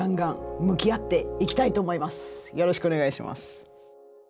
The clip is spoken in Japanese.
よろしくお願いします。